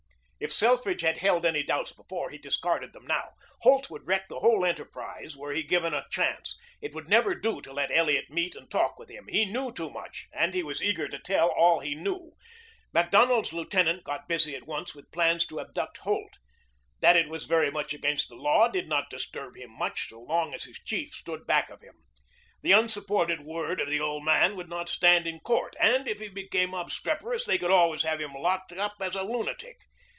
If Selfridge had held any doubts before, he discarded them now. Holt would wreck the whole enterprise, were he given a chance. It would never do to let Elliot meet and talk with him. He knew too much, and he was eager to tell all he knew. Macdonald's lieutenant got busy at once with plans to abduct Holt. That it was very much against the law did not disturb him much so long as his chief stood back of him. The unsupported word of the old man would not stand in court, and if he became obstreperous they could always have him locked up as a lunatic.